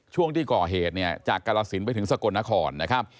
ช่วงที่ก่อเหตุจากกรสินไปถึงสกลนคร